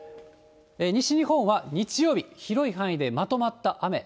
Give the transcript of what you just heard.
西日本は日曜日、広い範囲でまとまった雨。